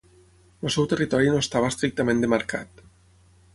El seu territori no estava estrictament demarcat.